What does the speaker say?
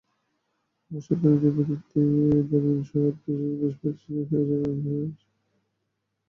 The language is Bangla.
অবশ্য দুর্নীতিবিরোধী আন্দোলনের সুবাদে দেশজুড়ে পরিচিতি পেয়ে যান তার বেশ আগেই।